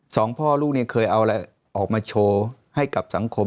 สองพ่อลูกเนี่ยเคยเอาอะไรออกมาโชว์ให้กับสังคม